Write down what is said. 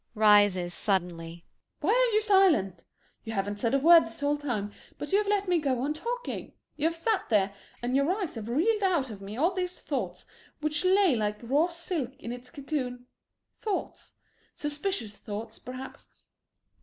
[Rises suddenly.] Why are you silent? You haven't said a word this whole time, but you have let me go on talking! You have sat there, and your eyes have reeled out of me all these thoughts which lay like raw silk in its cocoon thoughts suspicious thoughts, perhaps.